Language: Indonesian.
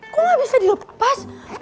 kok gak bisa dilepas